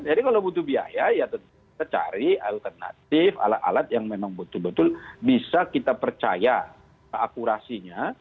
jadi kalau butuh biaya ya kita cari alternatif alat alat yang memang betul betul bisa kita percaya akurasinya